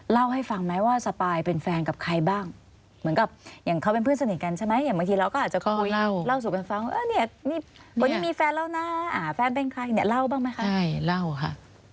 เล่าให้ฟังไหมว่าสปายเป็นแฟนกับใครบ้างเหมือนกับอย่างเขาเป็นเพื่อนสนิทกันใช่ไหมอย่างบางทีเราก็อาจจะคุยเล่าสู่กันฟังว่าเนี่ยนี่คนนี้มีแฟนแล้วนะแฟนเป็นใครเนี่ยเล่าบ้างไหมคะใช่เล่าค่ะ